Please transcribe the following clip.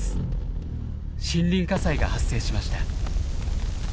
森林火災が発生しました。